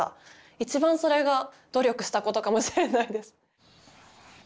一番それが努力したことかもしれないです。